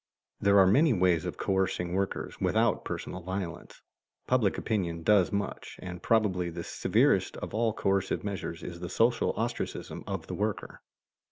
There are many ways of coercing workers without personal violence. Public opinion does much, and probably the severest of all coercive measures is the social ostracism of the worker.